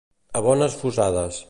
A bones fusades.